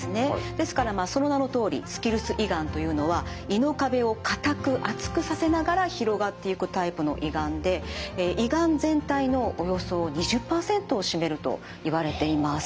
ですからその名のとおりスキルス胃がんというのは胃の壁をかたく厚くさせながら広がっていくタイプの胃がんで胃がん全体のおよそ２０％を占めるといわれています。